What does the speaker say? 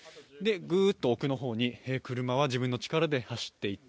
ぐーっと奥のほうに車は自分の力で走って行った。